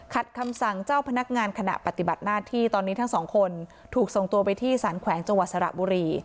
คำสั่งเจ้าพนักงานขณะปฏิบัติหน้าที่ตอนนี้ทั้งสองคนถูกส่งตัวไปที่สารแขวงจังหวัดสระบุรี